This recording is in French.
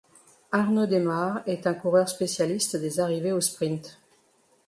Arnaud Démare est un coureur spécialiste des arrivées au sprint.